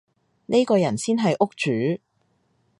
呢個人先係屋主